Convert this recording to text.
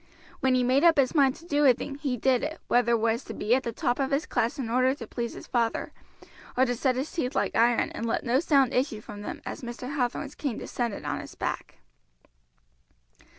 When he made up his mind to do a thing he did it, whether it was to be at the top of his class in order to please his father, or to set his teeth like iron and let no sound issue from them as Mr. Hathorn's cane descended on his back.